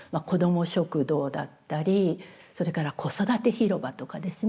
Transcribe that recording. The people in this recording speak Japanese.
子ども食堂だったりそれから子育て広場とかですね